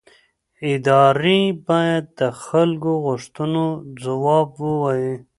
ادارې باید د خلکو غوښتنو ځواب ووایي